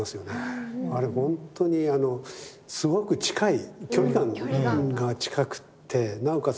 あれ本当にすごく近い距離感が近くてなおかつ